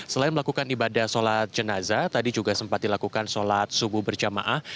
selain melakukan ibadah sholat jenazah tadi juga sempat dilakukan sholat subuh berjamaah